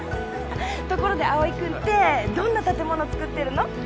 ところで葵君ってどんな建物造ってるの？